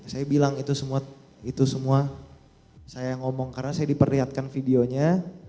saya bilang itu semua saya ngomong karena saya diperlihatkan videonya